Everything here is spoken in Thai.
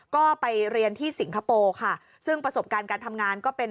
ก็ไปเรียนที่สิงคโปร์ค่ะซึ่งประสบการณ์การทำงานก็เป็น